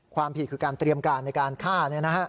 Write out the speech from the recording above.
ความผิดคือการเตรียมการในการฆ่า